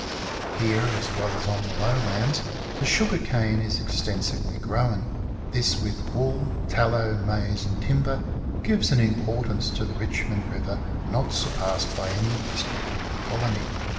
Here, as well as on the low lands, the sugar cane is extensively grown ; this, with wool, tallow, maize, and timber, gives an importance to the Eichmond Eiver not surpassed by any district in the Colony.